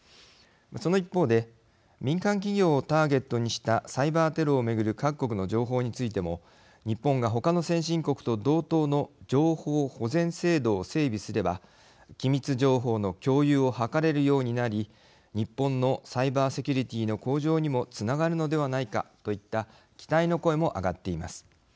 その一方で民間企業をターゲットにしたサイバーテロを巡る各国の情報についても日本が他の先進国と同等の情報保全制度を整備すれば機密情報の共有を図れるようになり日本のサイバーセキュリティーの向上にもつながるのではないかといった期待の声も上がっています。